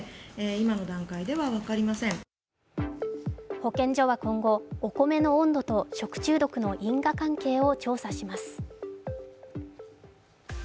保健所は今後、お米の温度と食中毒の因果関係を調査します。